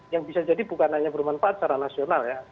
yang bisa jadi bukan hanya bermanfaat secara nasional ya